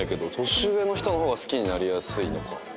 年上の人の方が好きになりやすいのか。